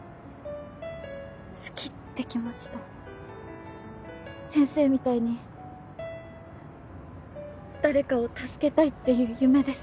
好きって気持ちと先生みたいに誰かを助けたいっていう夢です